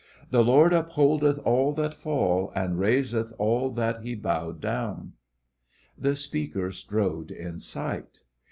"'The Lord upholdeth all that fall, and raiseth all that he bowed down.'" The speaker strode in sight.